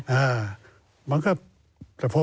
หวังล๊อคไว้หมดเลย